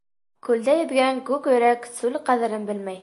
Күлдә йөҙгән күк өйрәк сүл ҡәҙерен белмәй.